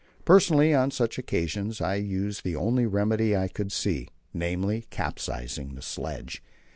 Personally, on such occasions, I used the only remedy I could see namely, capsizing the sledge.